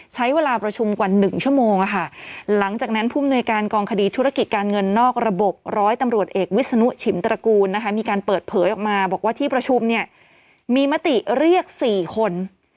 ใช้เวลาประชุมกว่า๑ชั่วโมงหลังจากนั้นผู้มนวยการกองคดีธุรกิจการเงินนอกระบบร้อยตำรวจเอกวิศนุชิมตระกูลนะคะมีการเปิดเผยออกมาบอกว่าที่ประชุมเนี่ยมีมติเรียก๔คน